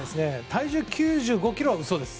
体重９５ｋｇは嘘です。